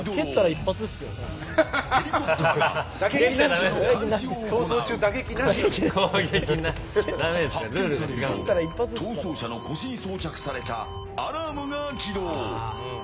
発見されると逃走者の腰に装着されたアラームが起動。